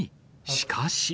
しかし。